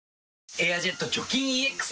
「エアジェット除菌ＥＸ」